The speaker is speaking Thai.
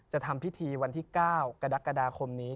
จะทำพิถีวันที่๙ก็ได้กาดาคมนี้